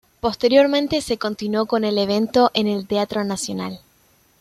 Posteriormente se continuó con el evento en el Teatro Nacional.